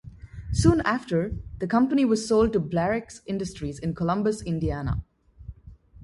Soon after, the company was sold to Blairex Industries in Columbus, Indiana.